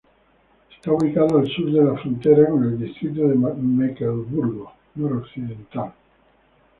Está ubicado al sur de la frontera con el distrito de Mecklemburgo Noroccidental.